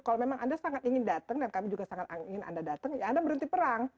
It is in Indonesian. kalau memang anda sangat ingin datang dan kami juga sangat ingin anda datang ya anda berhenti perang